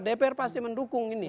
dpr pasti mendukung ini